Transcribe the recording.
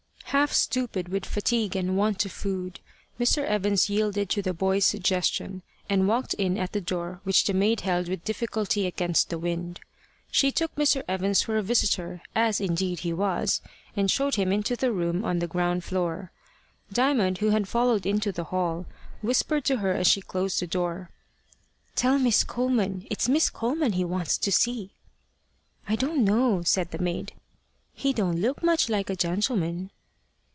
Half stupid with fatigue and want of food, Mr. Evans yielded to the boy's suggestion, and walked in at the door which the maid held with difficulty against the wind. She took Mr. Evans for a visitor, as indeed he was, and showed him into the room on the ground floor. Diamond, who had followed into the hall, whispered to her as she closed the door "Tell Miss Coleman. It's Miss Coleman he wants to see." "I don't know" said the maid. "He don't look much like a gentleman."